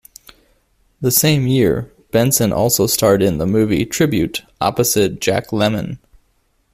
The same year, Benson also starred in the movie "Tribute" opposite Jack Lemmon.